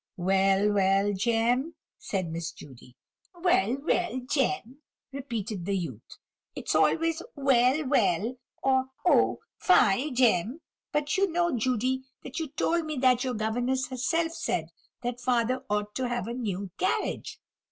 "Well, well, Jem!" said Miss Judy. "Well, well, Jem!" repeated the youth; "it is always 'Well, well!' or 'Oh fie, Jem!' but you know, Judy, that you told me that your governess herself said that father ought to have a new carriage."